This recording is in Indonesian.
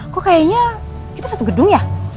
kok kayaknya kita satu gedung ya